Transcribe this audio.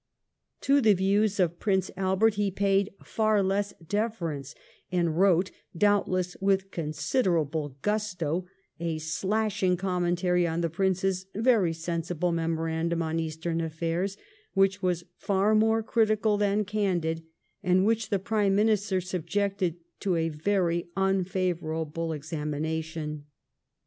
To the views of Prince Albert he paid far less deference, and wrote, doubtless with considerable gusto, a slashing commen tary on the Prince's very sensible memorandum on Eastern Affairs, which was far more critical than candid, and which the Prime Minister subjected to a very un favourable examination.